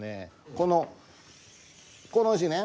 このこの字ね。